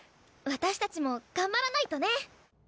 私たちも頑張らないとね。